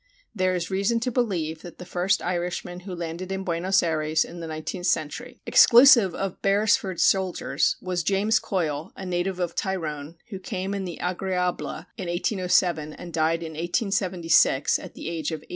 There is reason to believe that the first Irishman who landed in Buenos Ayres in the 19th century, exclusive of Beresford's soldiers, was James Coyle, a native of Tyrone, who came in the Agréable in 1807, and died in 1876 at the age of 86.